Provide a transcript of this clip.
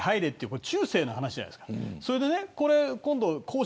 これは中世の話じゃないですか。